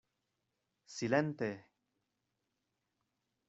Silente!